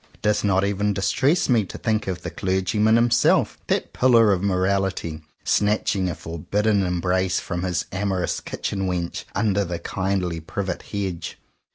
It does not even distress me to think of the clergyman himself, that Pillar of Morality, snatching a for bidden embrace from his amorous kitchen wench under the kindly privet hedge.